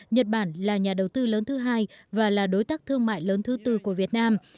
nhật bản là nhà đầu tư lớn thứ hai và là đối tác thương mại lớn thứ tư của việt nam